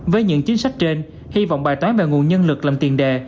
với những chính sách trên hy vọng bài toán về nguồn nhân lực làm tiền đề